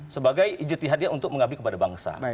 sebagai ijati hadiah untuk mengabdi kepada bangsa